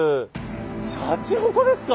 しゃちほこですか。